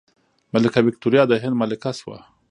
ملکه ویکتوریا د هند ملکه شوه.